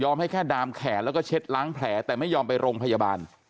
ให้แค่ดามแขนแล้วก็เช็ดล้างแผลแต่ไม่ยอมไปโรงพยาบาล